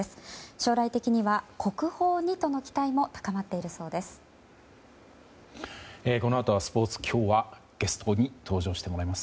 将来的には国宝にとの期待も高まっているそうです。